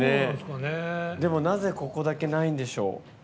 でも、なぜここだけないんでしょう。